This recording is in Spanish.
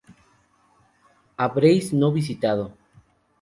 Habréis no visitado